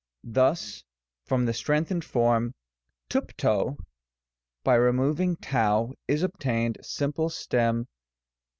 Thus, from the strengthened form TvnT'COy by removing r, is obtained simple stem rt